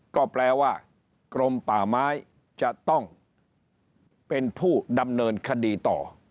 ก็แปลว่ากรมป่าไม้จะต้องเป็นผู้ดำเนินคดีต่อ